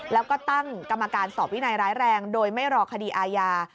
แล้วก็ตั้งกรรมการสอบวินัยร้ายแรงโดยไม่รอคดีอาญา